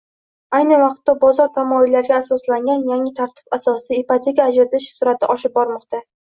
Ayni vaqtda bozor tamoyillariga asoslangan yangi tartib asosida ipoteka ajratish surʼati oshib bormoqda.